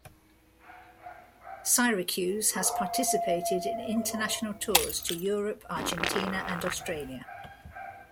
Syracuse has participated in international tours to Europe, Argentina and Australia.